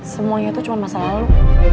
semuanya itu cuma masa lalu